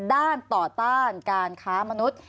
ด้านต่อต้านการค้ามนุษย์